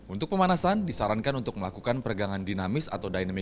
untuk pemanasan disarankan untuk melakukan peregangan dinamis atau dynamic